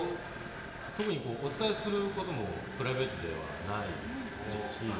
特にお伝えすることもプライベートではないですし。